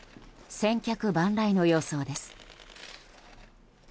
千客万来の様相です。